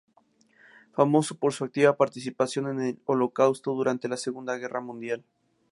Famoso por su activa participación en el Holocausto durante la Segunda Guerra Mundial.